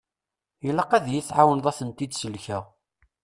Ilaq ad yi-tɛawneḍ ad tent-id-sellkeɣ.